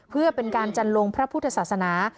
เพื่อเป็นการจันลงพระพุทธศาสนา